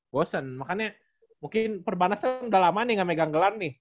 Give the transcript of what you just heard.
bosen makanya mungkin perbanasnya udah lama nih gak megang gelar nih